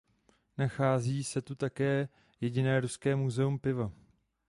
Nachází se tu také jediné ruské muzeum piva.